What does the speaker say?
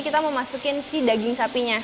kita mau masukin si daging sapinya